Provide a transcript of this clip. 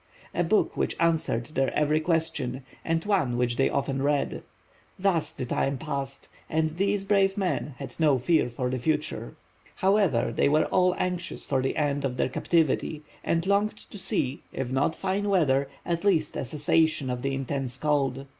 A book which answered their every question, and one which they often read. Thus the time passed, and these brave man had no fear for the future. However, they were all anxious for the end of their captivity, and longed to see, if not fine weather, at least a cessation of the intense cold.